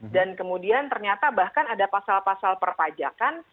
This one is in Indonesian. dan kemudian ternyata bahkan ada pasal pasal perusahaan